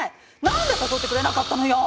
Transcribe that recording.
何で誘ってくれなかったのよ！